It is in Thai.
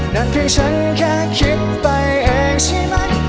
นั่นคือฉันแค่คิดไปเองใช่ไหม